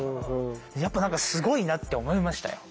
やっぱ何かすごいなって思いましたよ。